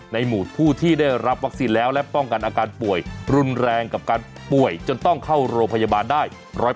หมู่ผู้ที่ได้รับวัคซีนแล้วและป้องกันอาการป่วยรุนแรงกับการป่วยจนต้องเข้าโรงพยาบาลได้๑๐๐